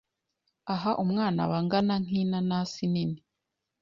aha umwana aba angana nk’inanasi nini.